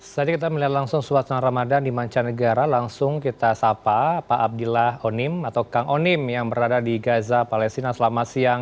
tadi kita melihat langsung suasana ramadan di mancanegara langsung kita sapa pak abdillah onim atau kang onim yang berada di gaza palestina selama siang